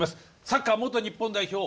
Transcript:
サッカー元日本代表